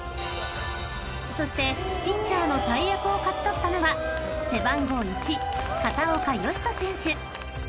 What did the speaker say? ［そしてピッチャーの大役を勝ち取ったのは背番号１片岡義人選手］